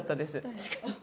確かに。